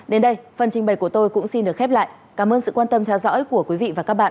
đến đây phần trình bày của tôi cũng xin được khép lại cảm ơn sự quan tâm theo dõi của quý vị và các bạn